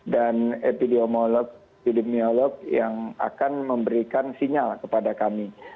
dan epidemiolog yang akan memberikan sinyal kepada kami